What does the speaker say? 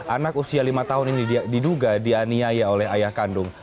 anak usia lima tahun ini diduga dianiaya oleh ayah kandung